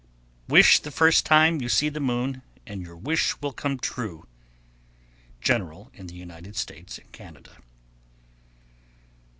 _ 1091. Wish the first time you see the moon, and your wish will come true. _General in the United States and Canada.